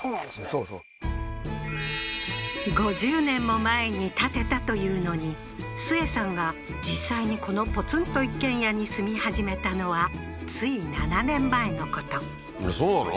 そうそう５０年も前に建てたというのにスエさんが実際にこのポツンと一軒家に住み始めたのはつい７年前のことそうなの？